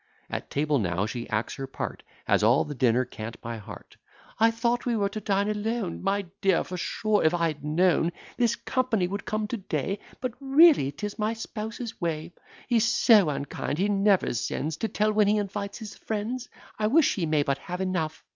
At table now she acts her part, Has all the dinner cant by heart: "I thought we were to dine alone, My dear; for sure, if I had known This company would come to day But really 'tis my spouse's way! He's so unkind, he never sends To tell when he invites his friends: I wish ye may but have enough!"